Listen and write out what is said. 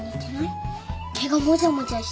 毛がもじゃもじゃしてるもん。